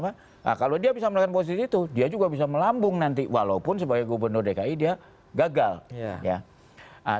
nah kalau dia bisa melakukan posisi itu dia juga bisa melambung nanti walaupun sebagai gubernur dki dia gagal